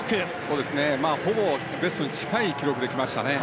ほぼベストに近い記録できましたね。